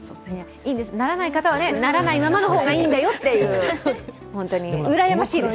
ならない方はならない方がいいんだよと、うらやましいです。